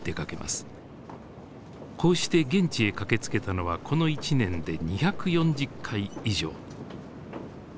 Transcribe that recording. こうして現地へ駆けつけたのはこの１年で２４０回以上。